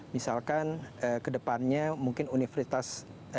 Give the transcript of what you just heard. misalkan ke depannya mungkin universitas